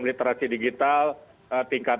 literasi digital tingkat